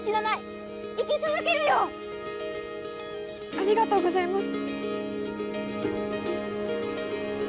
ありがとうございます